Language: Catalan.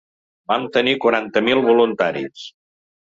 Vam tenir quaranta mil voluntaris.